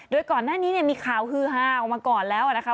โดยก่อนหน้านี้มีข่าวฮือฮาออกมาก่อนแล้วนะคะ